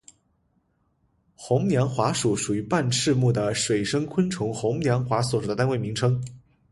红娘华属属于半翅目的水生昆虫红娘华所属的单位名称。